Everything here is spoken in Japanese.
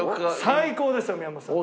最高ですよ宮本さん。